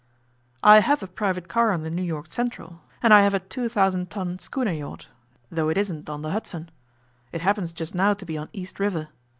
'I have a private car on the New York Central, and I have a two thousand ton schooner yacht though it isn't on the Hudson. It happens just now to be on East River.